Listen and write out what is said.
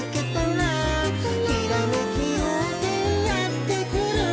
「ひらめきようせいやってくる」